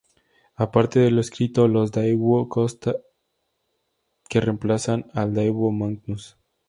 Aparte de lo escrito los Daewoo tosca que reemplazan al Daewoo Magnus.